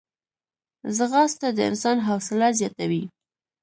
ځغاسته د انسان حوصله زیاتوي